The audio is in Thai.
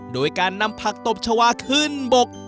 โดยการนำผักตบชาวาขึ้นบก